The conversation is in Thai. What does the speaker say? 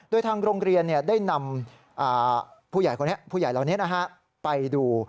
โดยทางโรงเรียนได้นำผู้ใหญ่ผู้ใหญ่เหล่านี้ไปดู